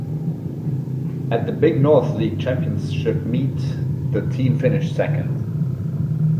At the Big North League Championship Meet, the team finished second.